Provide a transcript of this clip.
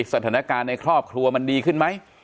สถานการณ์ในครอบครัวมันดีขึ้นไหม